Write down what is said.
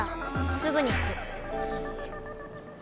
すぐに行く。